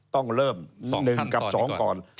ต้องเริ่ม๑กับ๒ก่อน